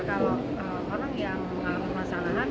kalau orang yang mengalami permasalahan